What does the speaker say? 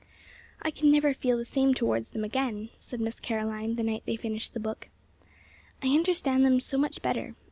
"I can never feel the same towards them again," said Miss Caroline, the night they finished the book. "I understand them so much better.